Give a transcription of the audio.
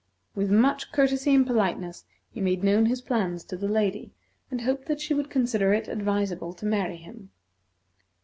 With much courtesy and politeness he made known his plans to the lady, and hoped that she would consider it advisable to marry him.